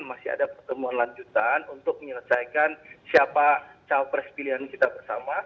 masih ada pertemuan lanjutan untuk menyelesaikan siapa cawapres pilihan kita bersama